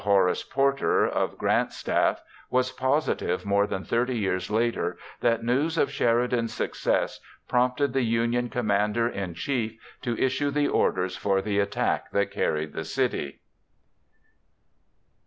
Horace Porter, of Grant's staff, was positive more than 30 years later that news of Sheridan's success prompted the Union commander in chief to issue the orders for the attack that carried the city.